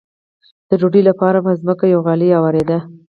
د ډوډۍ لپاره به په ځمکه یوه غالۍ اوارېده.